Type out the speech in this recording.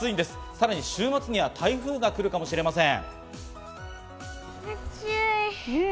さらに週末には台風が来るかもしれません。